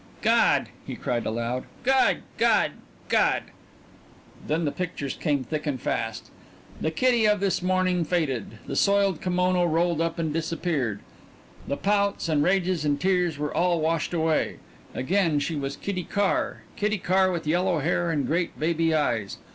"God!" he cried aloud. "God! God! God!" Then the pictures came thick and fast. The Kitty of this morning faded; the soiled kimono rolled up and disappeared; the pouts, and rages, and tears all were washed away. Again she was Kitty Carr Kitty Carr with yellow hair and great baby eyes.